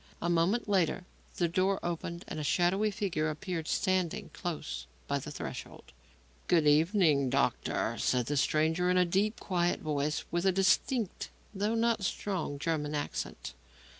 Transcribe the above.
A moment later the door opened and a shadowy figure appeared standing close by the threshold. "Good evening, doctor," said the stranger, in a deep, quiet voice and with a distinct, though not strong, German accent.